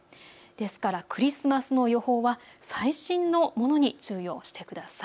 ですからクリスマスの予報は最新のものに注意をしてください。